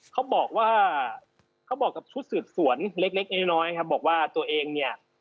เขาบอกว่าเขาบอกกับชุดสืบสวนเล็กเล็กน้อยครับบอกว่าตัวเองเนี่ย